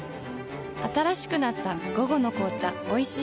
新しくなった「午後の紅茶おいしい無糖」